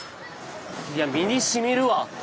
いや身にしみるわ。